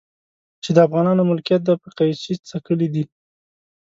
چې د افغانانو ملکيت دی په قيچي څکلي دي.